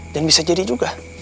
dan bisa jadi juga